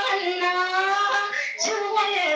อย่าลืมบ้านขึ้นที่กินผักให้แก่ควัน